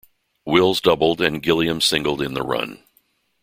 Wills doubled and Gilliam singled in the run.